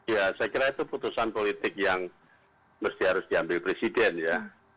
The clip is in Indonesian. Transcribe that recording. ya saya kira itu putusan politik yang mesti harus diambil presiden ya